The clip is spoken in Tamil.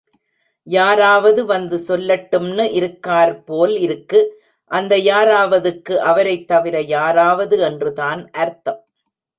யாராவது வந்து சொல்லட்டும்னு இருக்கார் போலிருக்கு... அந்த யாராவது க்கு அவரைத் தவிர யாராவது என்றுதான் அர்த்தம்!